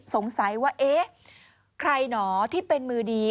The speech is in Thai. สงสัยว่าเอ๊ะใครหนอที่เป็นมือดี